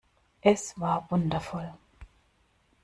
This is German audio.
Es war wundervoll.